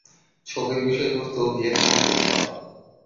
ছবির বিষয়বস্তু ভিয়েতনাম যুদ্ধ।